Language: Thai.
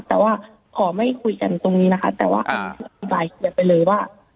แต่ว่าขอไม่คุยกันตรงนี้นะคะแต่ว่าอธิบายเคลียร์ไปเลยว่า